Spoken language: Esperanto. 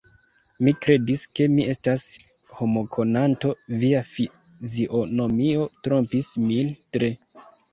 Mi kredis, ke mi estas homokonanto; via fizionomio trompis min tre.